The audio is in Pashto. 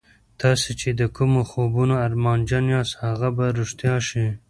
تاسې چې د کومو خوبونو ارمانجن یاست هغه به رښتیا شي